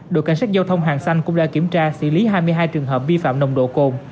đội cảnh sát giao thông hàng xanh cũng đã kiểm tra xử lý hai mươi hai trường hợp vi phạm nồng độ cồn